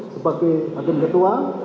sebagai hakim ketua